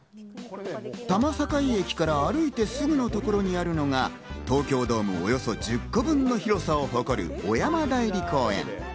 多摩境駅から歩いてすぐのところにあるのが東京ドームおよそ１０個分の広さを誇る小山内裏公園。